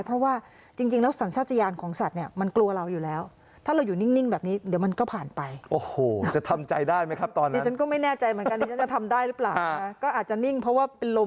เพราะว่าจริงแล้วสัญชาติยานของสัตว์มันกลัวเราอยู่แล้ว